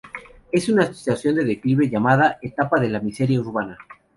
Es una situación de declive llamada "etapa de la miseria urbana".